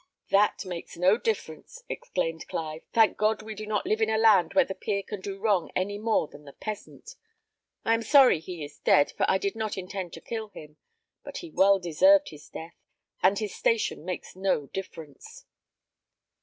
"That makes no difference," exclaimed Clive. "Thank God we do not live in a land where the peer can do wrong any more than the peasant! I am sorry he is dead, for I did not intend to kill him; but he well deserved his death, and his station makes no difference."